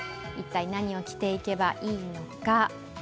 一体何を着ていけばいいのか。